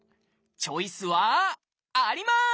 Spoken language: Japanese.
チョイスはあります！